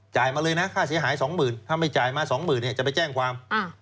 มาเลยนะค่าเสียหาย๒๐๐๐ถ้าไม่จ่ายมา๒๐๐๐เนี่ยจะไปแจ้งความ